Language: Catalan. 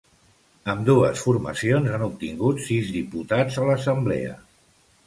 Ambdues formacions han obtingut sis diputats a l’assemblea.